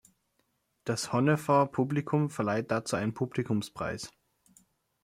Das Honnefer Publikum verleiht dazu einen Publikumspreis.